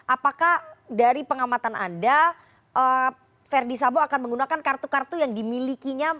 apakah dari pengamatan anda verdi sabo akan menggunakan kartu kartu yang dimilikinya